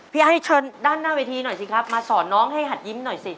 ให้เชิญด้านหน้าเวทีหน่อยสิครับมาสอนน้องให้หัดยิ้มหน่อยสิ